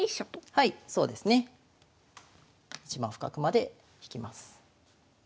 はいそうですね。いちばん深くまで引きます。